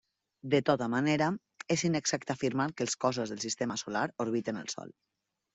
De tota manera, és inexacte afirmar que els cossos del sistema solar orbiten el Sol.